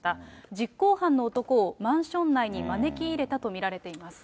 実行犯の男をマンション内に招き入れたと見られています。